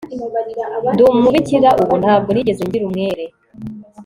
ndi umubikira ubu, ntabwo nigeze ngira umwere